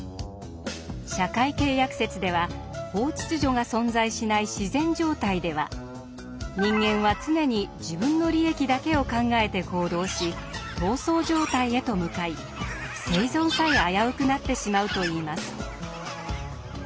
社会契約説では「法秩序が存在しない自然状態では人間は常に自分の利益だけを考えて行動し闘争状態へと向かい生存さえ危うくなってしまう」といいます。